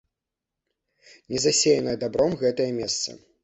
Не засеянае дабром гэтае месца.